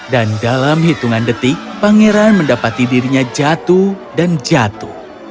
dan dalam hitungan detik pangeran mendapati dirinya jatuh dan jatuh